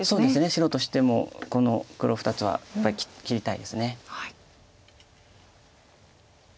白としてもこの黒２つはやっぱり切りたいです。